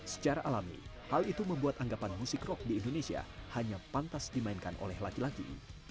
secara alami hal itu membuat anggapan musik rock di indonesia hanya pantas dimainkan oleh laki laki